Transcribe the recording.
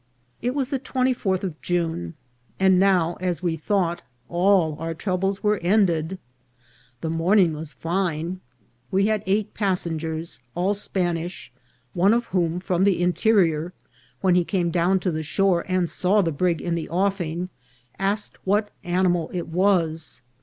It was the twenty fourth of June ; and now, as we thought, all our troubles were ended. The morning was fine. We had eight passengers, all Spanish; one of whom, from the interior, when he came down to the shore and saw the brig in the offing, asked what ani mal it was.